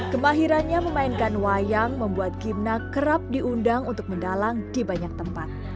kemahirannya memainkan wayang membuat gimna kerap diundang untuk mendalang di banyak tempat